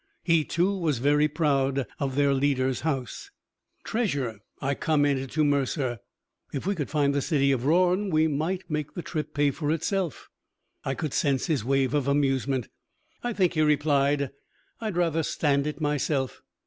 He, too, was very proud of their leader's house." "Treasure!" I commented to Mercer. "If we could find the city of the Rorn, we might make the trip pay for itself!" I could sense his wave of amusement. "I think," he replied, "I'd rather stand it myself.